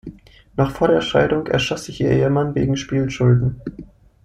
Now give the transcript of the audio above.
Noch vor der Scheidung erschoss sich ihr Ehemann wegen Spielschulden.